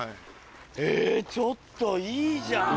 えぇちょっといいじゃん。